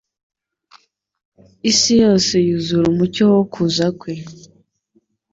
Isi yose yuzura umucyo wo kuza Kwe